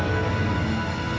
ayo kita taruh ini tadi